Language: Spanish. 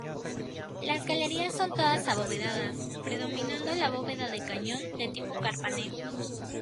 Las galerías son todas abovedadas, predominando la bóveda de cañón de tipo carpanel.